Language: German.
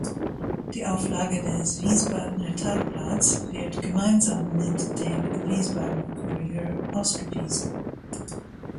Die Auflage des "Wiesbadener Tagblatts" wird gemeinsam mit dem "Wiesbadener Kurier" ausgewiesen.